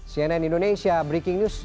cnn indonesia breaking news